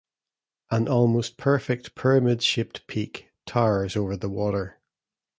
An almost perfect pyramid-shaped peak towers over the water.